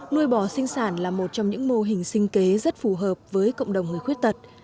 nuôi bò sinh sản là một trong những mô hình sinh kế rất phù hợp với cộng đồng người khuyết tật